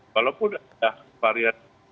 walaupun ada varian